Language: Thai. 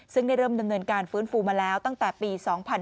ซึ่งได้เริ่มดำเนินการฟื้นฟูมาแล้วตั้งแต่ปี๒๕๕๙